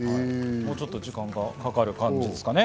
もうちょっと時間がかかる感じですかね。